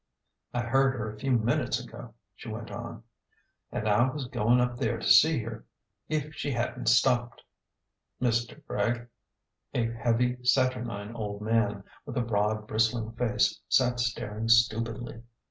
" I heard her a few minutes ago," she went on ;" an' I was goin' up there to see to her if she hadn't stopped." Mr. Gregg, a heavy, saturnine old man, with a broad bristling face, sat staring stupidly.